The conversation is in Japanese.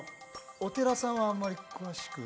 お寺さんはあんまり詳しく？